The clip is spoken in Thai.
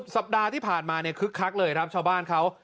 สัปดาห์ที่ผ่านมาเนี่ยคึกคักเลยครับชาวบ้านเขา